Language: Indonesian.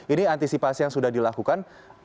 ini antisipasi yang sudah dilakukan